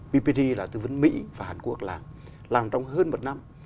bpd là tư vấn mỹ và hàn quốc là làm trong hơn một năm